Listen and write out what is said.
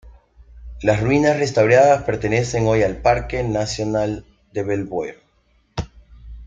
Las ruinas restauradas pertenecen hoy al Parque Nacional de Belvoir.